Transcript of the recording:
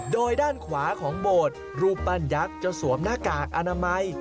โดยด้านขวาของโบสถ์รูปปั้นยักษ์จะสวมหน้ากากอนามัย